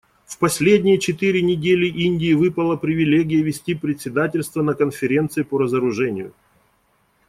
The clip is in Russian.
В последние четыре недели Индии выпала привилегия вести председательство на Конференции по разоружению.